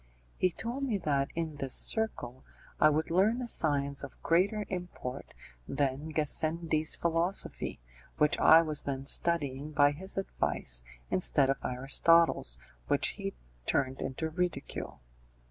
He told me that in this circle I would learn a science of greater import than Gassendi's philosophy, which I was then studying by his advice instead of Aristotle's, which he turned into ridicule.